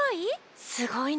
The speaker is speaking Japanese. すごい？